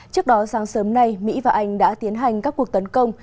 trước đó sáng sớm nay mỹ và anh đã tiến hành các cuộc tấn công